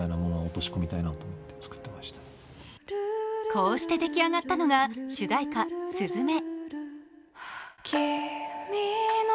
こうしてできあがったのが主題歌「すずめ」。